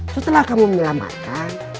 setelah kamu menyelamatkan